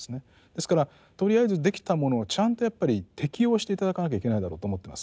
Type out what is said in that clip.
ですからとりあえずできたものをちゃんとやっぱり適用して頂かなきゃいけないだろうと思ってます。